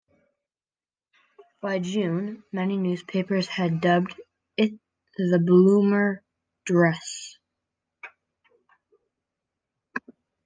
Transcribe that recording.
By June many newspapers had dubbed it the "Bloomer dress".